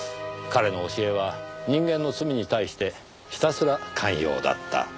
彼の教えは人間の罪に対してひたすら寛容だった。